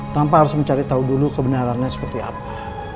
tanpa harus mencari tahu dulu kebenarannya seperti apa